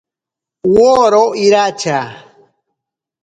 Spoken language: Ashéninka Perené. Woro iracha.